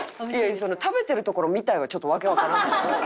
その「食べてるところ見たい」はちょっとわけわからんけど。